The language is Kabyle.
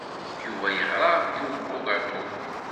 Yuba yeɣra i ubugaṭu.